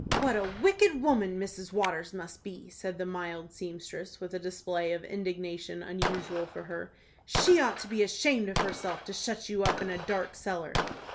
"What a wicked woman Mrs. Waters must be!" said the mild seamstress, with a display of indignation unusual for her. "She ought to be ashamed of herself to shut you up in a dark cellar."